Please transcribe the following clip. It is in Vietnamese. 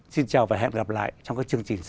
xin chào và hẹn gặp lại trong các chương trình sau